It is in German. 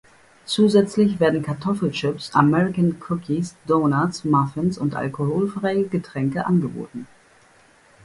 Zusätzlich werden Kartoffelchips, American Cookies, Donuts, Muffins und alkoholfreie Getränke angeboten.